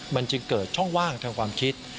มันจึงเกิดช่องว่างทางความคิด